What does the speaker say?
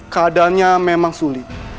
keadaannya memang sulit